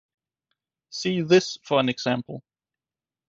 See this for an example